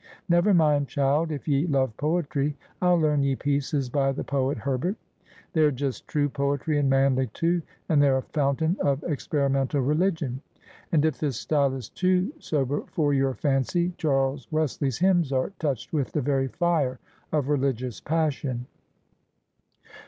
Never mind, child, if ye love poetry, I'll learn ye pieces by the poet Herbert. They're just true poetry, and manly, too; and they're a fountain of experimental religion. And, if this style is too sober for your fancy, Charles Wesley's hymns are touched with the very fire of religious passion."